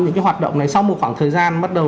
những cái hoạt động này sau một khoảng thời gian bắt đầu